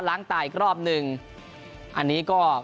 ล้างตาอีกรอบหนึ่งอันนี้ก็